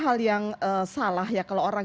hal yang salah ya kalau orang